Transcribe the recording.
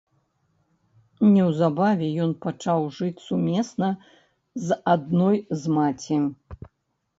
Неўзабаве ён пачаў жыць сумесна з адной з маці.